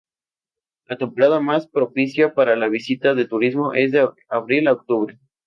La temporada más propicia para la visita de turismo es de abril a octubre.